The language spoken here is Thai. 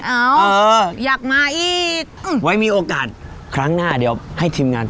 เอออยากมาอีกไว้มีโอกาสครั้งหน้าเดี๋ยวให้ทีมงาน